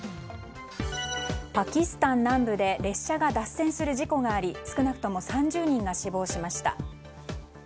パキスタン南部で列車が脱線する事故があり少なくとも３０人が死亡しました。